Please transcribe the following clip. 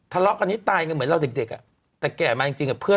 ถาลอกกันนี้ตายเหมือนเก่าใจนี้